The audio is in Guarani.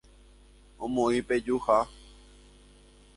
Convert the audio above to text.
Omoĩ pejuha